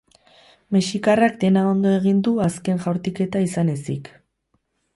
Mexikarrak dena ondo egin du azken jaurtiketa izan ezik.